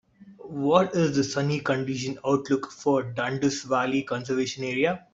what is the sunny condition outlook for Dundas Valley Conservation Area